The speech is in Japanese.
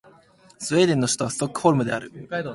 スウェーデンの首都はストックホルムである